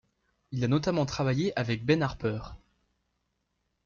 Il a notamment travaillé avec Ben Harper.